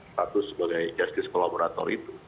status sebagai justice kolaborator itu